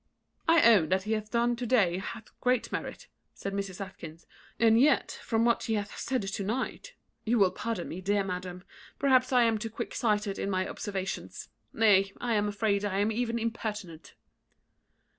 "I own what he hath done to day hath great merit," said Mrs. Atkinson; "and yet, from what he hath said to night You will pardon me, dear madam; perhaps I am too quick sighted in my observations; nay, I am afraid I am even impertinent."